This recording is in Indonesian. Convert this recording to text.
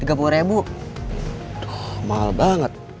aduh mahal banget